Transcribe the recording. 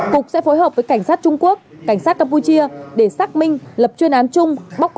cục sẽ phối hợp với cảnh sát trung quốc cảnh sát campuchia để xác minh